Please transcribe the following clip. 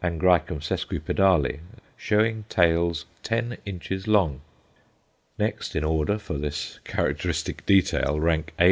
sesquipedale_, showing "tails" ten inches long. Next in order for this characteristic detail rank _A.